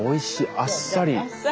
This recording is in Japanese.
あっさり。